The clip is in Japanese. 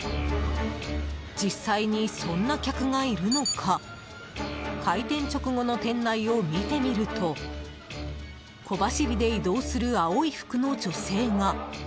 実際にそんな客がいるのか開店直後の店内を見てみると小走りで移動する青い服の女性が。